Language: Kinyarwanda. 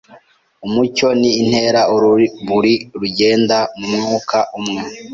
Umucyo ni intera urumuri rugenda mumwaka umwe.